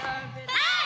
はい！